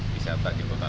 wisata di kota